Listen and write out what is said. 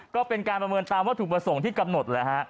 ก็เป็นการประเมินตามว่าถูกประสงค์ที่กำหนด